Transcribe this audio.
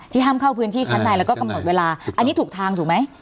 ห้ามเข้าพื้นที่ชั้นในแล้วก็กำหนดเวลาอันนี้ถูกทางถูกไหม